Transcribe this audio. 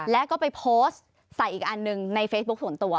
แล้วก็ไปโพสต์ใส่อีกอันหนึ่งในเฟซบุ๊คส่วนตัว